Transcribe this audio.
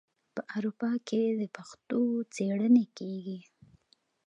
په اروپا کې د پښتو څیړنې کیږي.